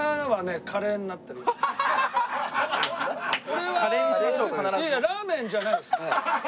俺はラーメンじゃないです。